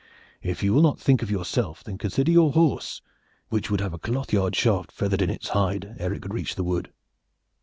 If you will not think of yourself, then consider your horse, which would have a cloth yard shaft feathered in its hide ere it could reach the wood."